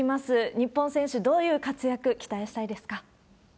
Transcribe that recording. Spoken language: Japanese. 日本選手、どういう活躍期待したいですか？